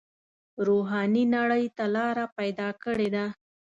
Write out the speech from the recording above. روحاني نړۍ ته لاره پیدا کړې ده.